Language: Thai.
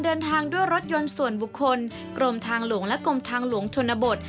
เดินทางด้วยรถยนต์ส่วนบุคคลกรมทางหลวงและกรมทางหลวงชนบท